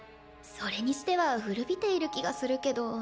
それにしては古びている気がするけど。